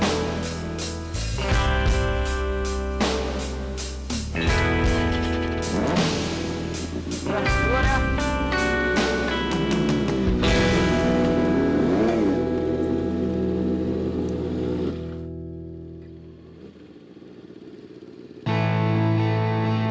gak ada yang mau nanya